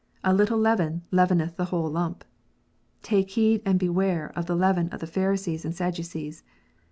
" A little leaven leaveneth the whole lump." " Take heed and beware of the leaven of the Pharisees and Sadducees."